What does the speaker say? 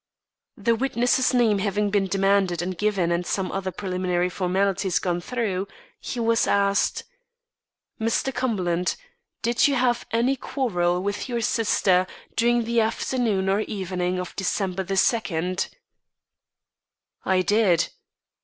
The witness's name having been demanded and given and some other preliminary formalities gone through, he was asked: "Mr. Cumberland, did you have any quarrel with your sister during the afternoon or evening of December the second?" "I did."